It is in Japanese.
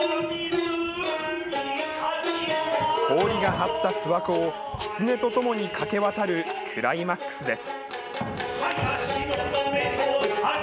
氷が張った諏訪湖を、きつねと共に駆けわたるクライマックスです。